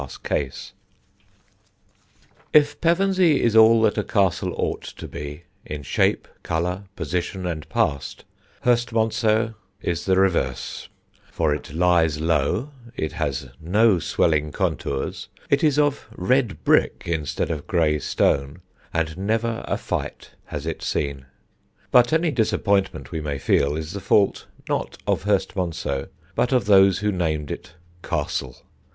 _] [Sidenote: HURSTMONCEUX CASTLE] If Pevensey is all that a castle ought to be, in shape, colour, position and past, Hurstmonceux is the reverse; for it lies low, it has no swelling contours, it is of red brick instead of grey stone, and never a fight has it seen. But any disappointment we may feel is the fault not of Hurstmonceux but of those who named it castle.